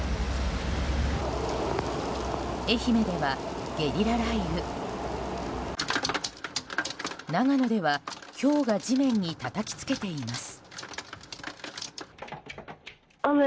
愛媛では、ゲリラ雷雨長野では、ひょうが地面にたたきつけています。